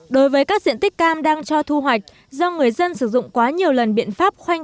đối với các diện tích cam đang cho thu hoạch do người dân sử dụng quá nhiều lần biện pháp khoanh